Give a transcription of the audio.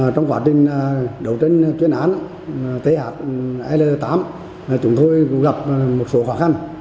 trong quá trình đấu tranh chuyên án thl tám chúng tôi gặp một số khó khăn